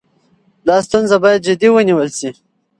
دا ستونزه باید جدي ونیول شي.